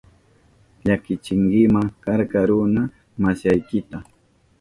Llakichinkima karka runa masiykita.